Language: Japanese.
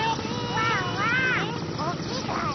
ワンワンおきがえ？